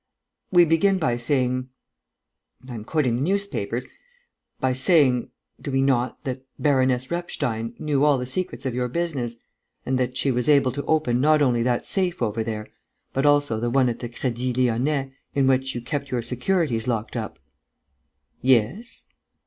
We begin by saying I am quoting the newspapers by saying, do we not, that Baroness Repstein knew all the secrets of your business and that she was able to open not only that safe over there, but also the one at the Crédit Lyonnais in which you kept your securities locked up?" "Yes."